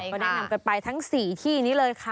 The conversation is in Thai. ก็แนะนำกันไปทั้ง๔ที่นี้เลยค่ะ